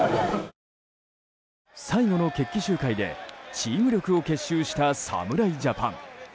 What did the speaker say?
最後の決起集会でチーム力を結集した侍ジャパン。